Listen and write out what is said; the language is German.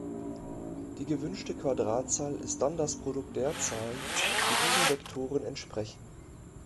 Die gewünschte Quadratzahl ist dann das Produkt der Zahlen, die diesen Vektoren entsprechen.